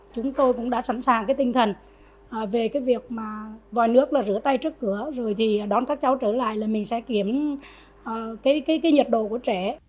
chúng tôi cũng đã sẵn sàng tinh thần về việc vòi nước rửa tay trước cửa đón các cháu trở lại là mình sẽ kiểm nhiệt độ của trẻ